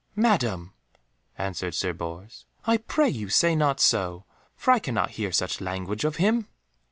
"Madam," answered Sir Bors, "I pray you say not so, for I cannot hear such language of him."